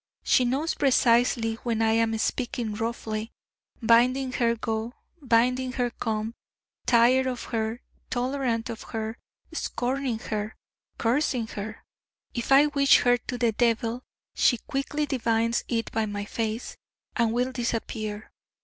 She knows precisely when I am speaking roughly, bidding her go, bidding her come, tired of her, tolerant of her, scorning her, cursing her. If I wish her to the devil, she quickly divines it by my face, and will disappear.